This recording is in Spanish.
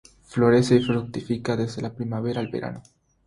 Florece y fructifica desde la primavera al verano.